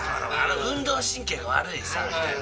運動神経の悪いさ、みたいな。